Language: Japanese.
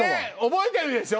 覚えてるでしょ？